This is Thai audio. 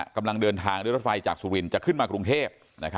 กำลังเดินทางด้วยรถไฟจากสุรินทร์จะขึ้นมากรุงเทพ